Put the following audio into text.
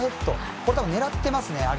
これ、たぶん、狙ってますね。